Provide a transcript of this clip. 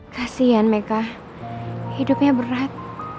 kasian meka hidupnya berat